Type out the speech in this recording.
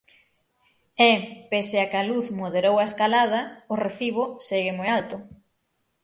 E, pese a que a luz moderou a escalada, o recibo segue moi alto.